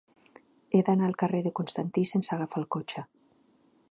He d'anar al carrer de Constantí sense agafar el cotxe.